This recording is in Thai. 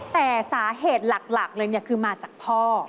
แต่สาเหตุหลักเลยคือมาจากพ่อ